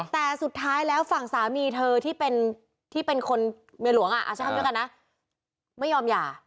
แต่สุดท้ายแล้วฝั่งสามีเธอที่เป็นที่เป็นคนเมียหลวงใช้คำเดียวกันนะไม่ยอมหย่า